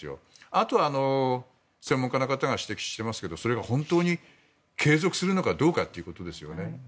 あとは専門家の方が指摘していますけどそれが本当に継続するのかどうかということですよね。